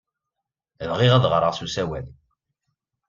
Bɣiɣ ad ɣreɣ s usawal.